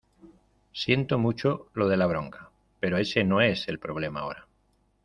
siento mucho lo de la bronca, pero ese no es el problema ahora.